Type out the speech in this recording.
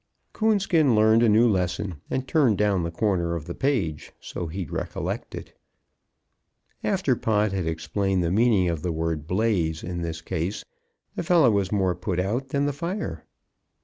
Coonskin learned a new lesson, and turned down the corner of the page so he'd recollect it. After Pod had explained the meaning of the word "blaze" in this case, the fellow was more put out than the fire.